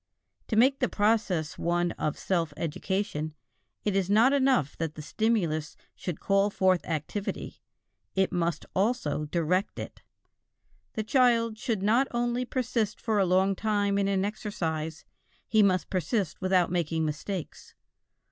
To make the process one of self education, it is not enough that the stimulus should call forth activity, it must also direct it. The child should not only persist for a long time in an exercise; he must persist without making mistakes.